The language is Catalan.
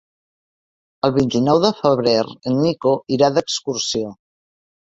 El vint-i-nou de febrer en Nico irà d'excursió.